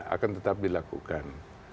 akan tetap dilakukan